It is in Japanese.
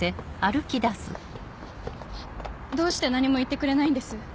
どうして何も言ってくれないんです？